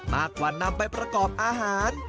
มากกว่านำไปประกอบอาหาร